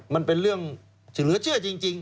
มันเป็นเรื่องเหลือเชื่อจริง